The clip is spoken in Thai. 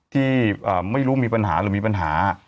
ที่ไม่รู้มีปัญหาหรือมีปัญหา